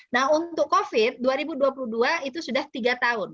nah untuk covid dua ribu dua puluh dua itu sudah tiga tahun